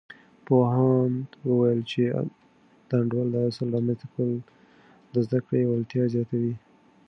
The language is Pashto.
پوهاند وویل، چې د انډول د اصل رامنځته کول د زده کړې وړتیا زیاتوي.